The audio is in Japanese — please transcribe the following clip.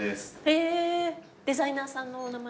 へえ。